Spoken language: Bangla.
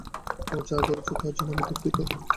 ও যা করেছে তার জন্য আমি দুঃখিত।